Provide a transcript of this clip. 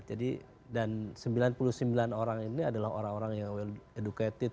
jadi dan sembilan puluh sembilan orang ini adalah orang orang yang well educated